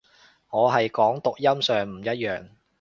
我係講讀音上唔一樣